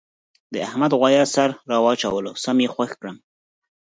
د احمد غوایه سر را واچولو سم یې خوږ کړم.